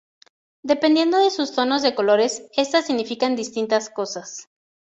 Dependiendo de sus tonos de colores estas significan distintas cosas.